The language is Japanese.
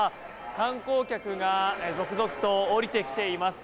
観光客が続々と降りてきています。